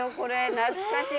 懐かしい。